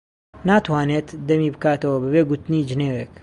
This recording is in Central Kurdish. ناتوانێت دەمی بکاتەوە بەبێ گوتنی جنێوێک.